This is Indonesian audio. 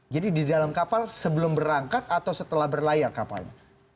jadi di dalam kapal sebelum berangkat atau setelah berlayar kapalnya